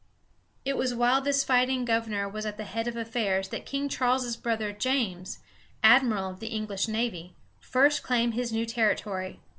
] It was while this fighting governor was at the head of affairs that King Charles's brother James, admiral of the English navy, first claimed his new territory.